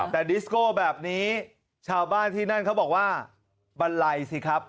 แต่ดิสโก้แบบนี้ชาวบ้านที่นั่นเขาบอกว่าบันไลสิครับ